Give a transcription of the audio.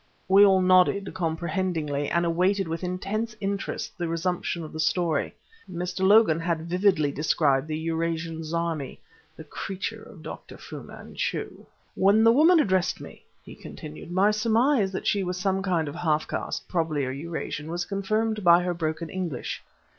We all nodded comprehendingly and awaited with intense interest the resumption of the story. Mr. Logan had vividly described the Eurasian Zarmi, the creature of Dr. Fu Manchu. "When the woman addressed me," he continued, "my surmise that she was some kind of half caste, probably a Eurasian, was confirmed by her broken English.